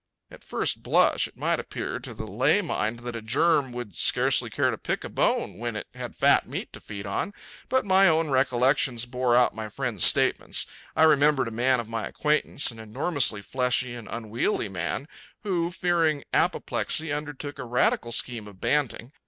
At first blush it might appear to the lay mind that a germ would scarcely care to pick a bone when it had fat meat to feed on, but my own recollections bore out my friend's statements. I remembered a man of my acquaintance, an enormously fleshy and unwieldy man, who, fearing apoplexy, undertook a radical scheme of banting.